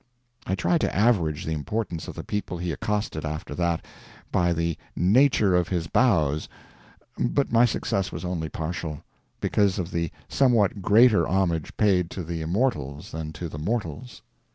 I tried to "average" the importance of the people he accosted after that, by the nature of his bows, but my success was only partial, because of the somewhat greater homage paid to the immortals than to the mortals.